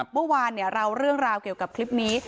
เมื่อวานเราเรื่องราวเกี่ยวกับคลิปนี้